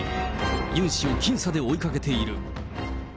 ユン氏を僅差で追いかけている。